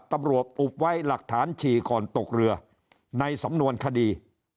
ตำรวจอุบไว้หลักฐานฉี่ก่อนตกเรือในสำนวนคดี